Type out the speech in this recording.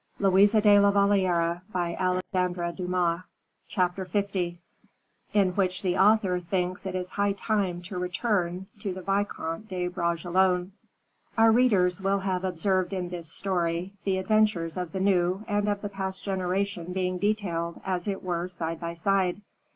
"Whom shall I invite?" "Everybody you know." Chapter L: In Which the Author Thinks It Is High Time to Return to the Vicomte de Bragelonne. Our readers will have observed in this story, the adventures of the new and of the past generation being detailed, as it were, side by side.